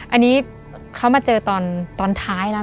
อันนี้เขามาเจอตอนท้ายแล้ว